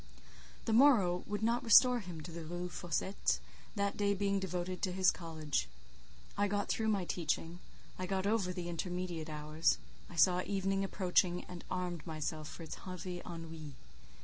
The morrow would not restore him to the Rue Fossette, that day being devoted entirely to his college. I got through my teaching; I got over the intermediate hours; I saw evening approaching, and armed myself for its heavy ennuis.